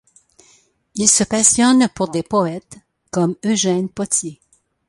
Il se passionne pour des poètes comme Eugène Pottier.